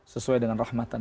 sesuai dengan rahmatan